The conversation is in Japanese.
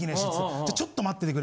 「じゃあちょっと待っててくれ」